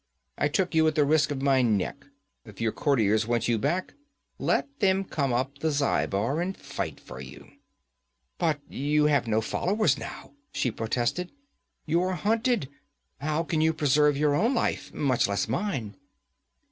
I took you at the risk of my neck; if your courtiers want you back, let them come up the Zhaibar and fight for you.' 'But you have no followers now!' she protested. 'You are hunted! How can you preserve your own life, much less mine?'